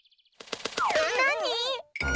なに？